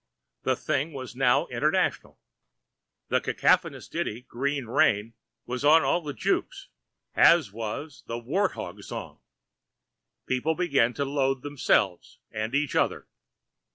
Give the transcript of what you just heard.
The thing was now international. The cacophonous ditty Green Rain was on all the jukes, as was The Wart Hog Song. People began to loathe themselves and each other.